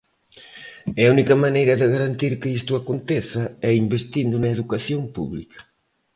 E a única maneira de garantir que isto aconteza é investindo na educación pública.